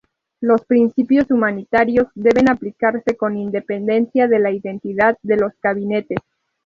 Los principios humanitarios deben aplicarse con independencia de la identidad de los combatientes.